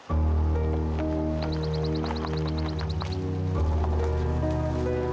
asal kita orang muda sorrow